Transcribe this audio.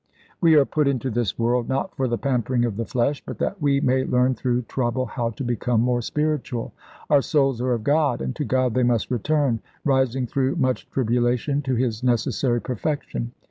"We are put into this world, not for the pampering of the flesh, but that we may learn through trouble how to become more spiritual. Our souls are of God, and to God they must return, rising through much tribulation to His necessary perfection.